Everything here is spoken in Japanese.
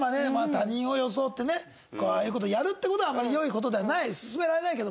他人を装ってねああいう事をやるって事はあんまり良い事ではない勧められないけども。